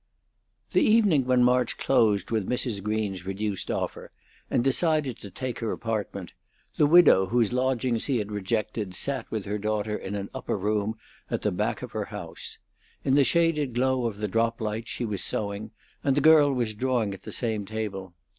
The evening when March closed with Mrs. Green's reduced offer, and decided to take her apartment, the widow whose lodgings he had rejected sat with her daughter in an upper room at the back of her house. In the shaded glow of the drop light she was sewing, and the girl was drawing at the same table.